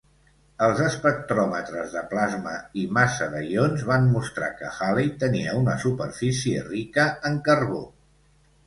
Els espectròmetres de plasma i massa de ions van mostrar que Halley tenia una superfície rica en carbó.